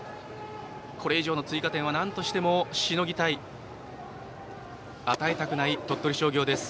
これ以上の追加点はなんとしても与えたくない鳥取商業です。